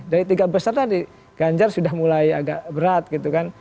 dari tiga besar tadi ganjar sudah mulai agak berat gitu kan